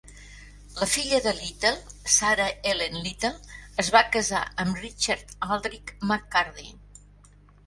La filla de Little, Sarah Ellen Little, es va casar amb Richard Aldrich McCurdy.